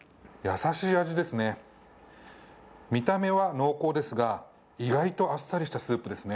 優しい味ですね、見た目は濃厚ですが、意外とあっさりしたスープですね。